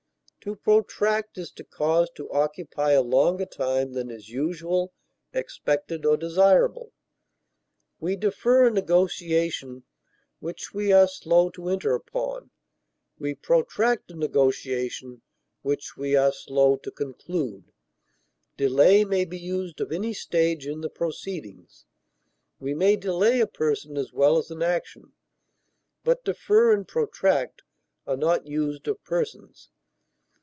To protract is to cause to occupy a longer time than is usual, expected, or desirable. We defer a negotiation which we are slow to enter upon; we protract a negotiation which we are slow to conclude; delay may be used of any stage in the proceedings; we may delay a person as well as an action, but defer and protract are not used of persons.